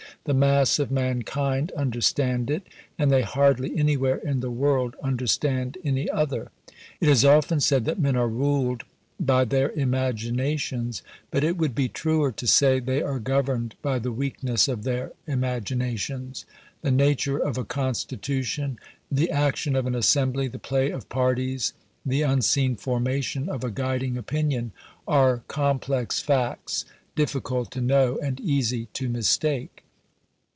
The mass of mankind understand it, and they hardly anywhere in the world understand any other. It is often said that men are ruled by their imaginations; but it would be truer to say they are governed by the weakness of their imaginations. The nature of a constitution, the action of an assembly, the play of parties, the unseen formation of a guiding opinion, are complex facts, difficult to know and easy to mistake.